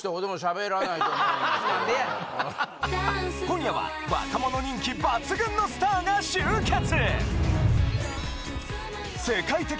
今夜は若者人気抜群のスターが集結！